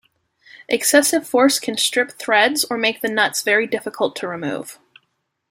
Excessive force can strip threads or make the nuts very difficult to remove.